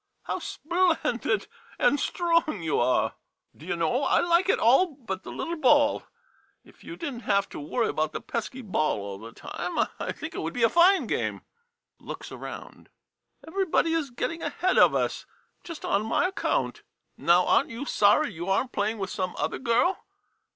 [Admiringly.] How splendid and strong you are ! D' you know, I like it all but the little ball — if you did n't have to 104 THE FIRST LESSON worry about the pesky ball all the time, I think it would be a fine game. [Looks around.] Everybody is getting ahead of us, just on my account. Now, aren't you sorry you are n't playing with some other girl